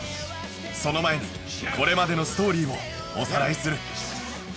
その前にこれまでのストーリーをおさらいする